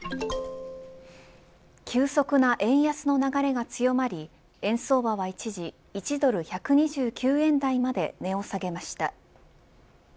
急速な円安の流れが強まり円相場は一時１ドル１２９円台まで値を下げました。